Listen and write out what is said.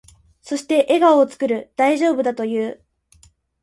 そして、笑顔を作る。大丈夫だと言う。